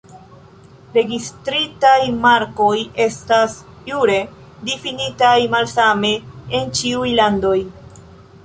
Registritaj markoj estas jure difinitaj malsame en ĉiuj landoj.